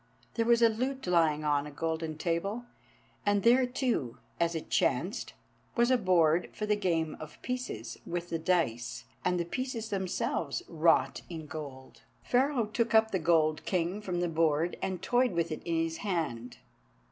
There was a lute lying on a golden table, and there too, as it chanced, was a board for the Game of Pieces, with the dice, and the pieces themselves wrought in gold. Pharaoh took up the gold king from the board and toyed with it in his hand.